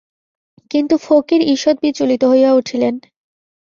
কিন্তু ফকির ঈষৎ বিচলিত হইয়া উঠিলেন।